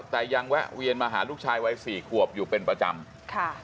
แต่ยังแวะเวียนมาหาลูกชายวัยสี่ขวบอยู่เป็นประจำค่ะ